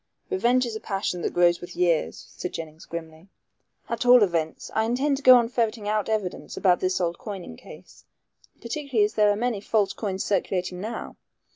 "Revenge is a passion that grows with years," said Jennings grimly; "at all events, I intend to go on ferreting out evidence about this old coining case, particularly as there are many false coins circulating now.